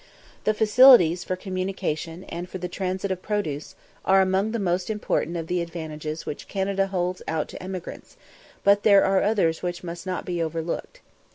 The facilities for communication, and for the transit of produce, are among the most important of the advantages which Canada holds out to emigrants, but there are others which must not be overlooked.